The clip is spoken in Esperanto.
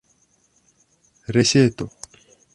Reŝeto!